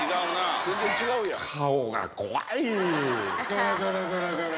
ガラガラガラガラ。